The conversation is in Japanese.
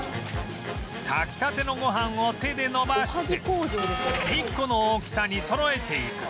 炊きたてのご飯を手で延ばして１個の大きさにそろえていく